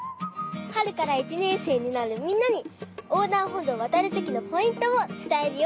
はるから１ねんせいになるみんなにおうだんほどうをわたるときのポイントをつたえるよ！